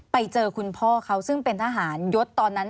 ไปเจอคุณพ่อเขาซึ่งเป็นทหารยศตอนนั้น